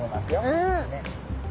うん。